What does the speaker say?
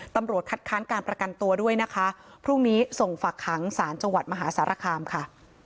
ตำรวจคัดค้านการประกันตัวด้วยนะคะพรุ่งนี้ส่งฝักขังสารจังหวัดมหาสารคามค่ะ